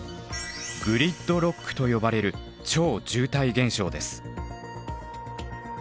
「グリッドロック」と呼ばれる超渋滞現象です。